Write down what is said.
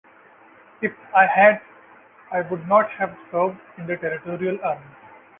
If I had, I would not have served in the Territorial Army.